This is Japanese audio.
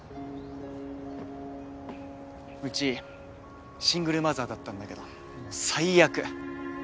うちシングルマザーだったんだけど最悪。